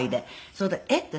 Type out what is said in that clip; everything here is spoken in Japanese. それで「えっ？」って。